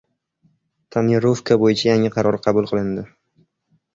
«Tonirovka» bo‘yicha yangi qaror qabul qilindi